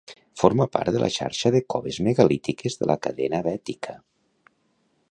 Forma part de la xarxa de coves megalítiques de la cadena bètica.